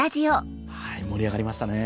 盛り上がりましたね。